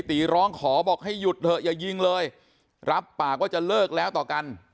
ตีร้องขอบอกให้หยุดเถอะอย่ายิงเลยรับปากว่าจะเลิกแล้วต่อกัน